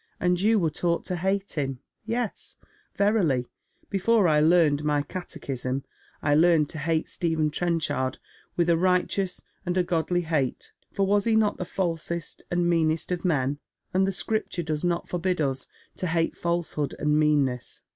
" And you were taught to hate him ?"" Yes veiily, before I learned my catechism I learned to hate Stephen Trenchard with a righteous and a godly hate, for was he not the falsest and meanest of men ? and the Scripture does not forbid us to hate falsehood and meanness.